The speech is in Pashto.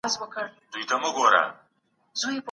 مدافع وکیلان د غونډو جوړولو قانوني اجازه نه لري.